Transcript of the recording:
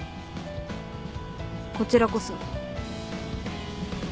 こちらこそ。